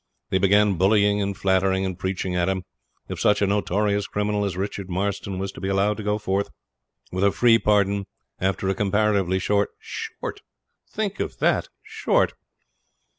They began bullying, and flattering, and preaching at him if such a notorious criminal as Richard Marston was to be allowed to go forth with a free pardon after a comparatively short short, think of that, short!